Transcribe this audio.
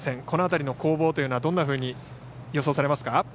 この当たりの攻防というのはどんなふうに予想されますか？